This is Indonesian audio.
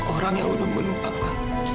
orang yang udah bunuh papa